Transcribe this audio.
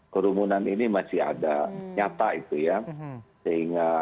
kerumunan ini masih ada nyata itu ya